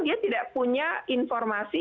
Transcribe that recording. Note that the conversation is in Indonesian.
dia tidak punya informasi